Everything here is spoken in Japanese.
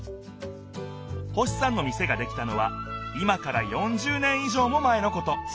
星さんの店ができたのは今から４０年い上も前のこと。